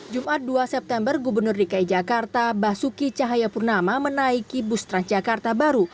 jumat dua september gubernur dki jakarta basuki cahayapurnama menaiki bus transjakarta baru